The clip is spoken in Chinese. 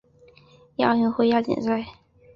亚运会亚锦赛